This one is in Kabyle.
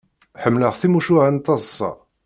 Ḥemmleɣ timucuha n taḍsa.